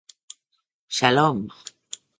Shalom!